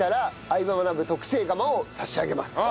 相葉マナブ』特製釜を差し上げます。